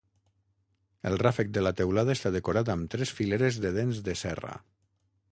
El ràfec de la teulada està decorat amb tres fileres de dents de serra.